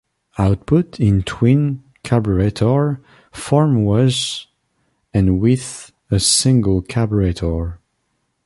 Output in twin carburettor form was and with a single carburettor.